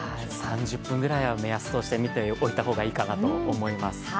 ３０分ぐらいは目安として見ておいた方がいいかなと思います。